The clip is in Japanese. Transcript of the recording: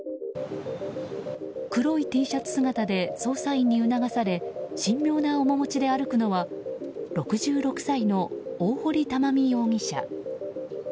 黒いＴシャツ姿で捜査員に促され神妙な面持ちで歩くのは６６歳の大堀たまみ容疑者。